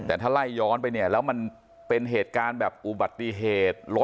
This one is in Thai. แต่ถ้าไล่ย้อนไปเนี่ยแล้วมันเป็นเหตุการณ์แบบอุบัติเหตุ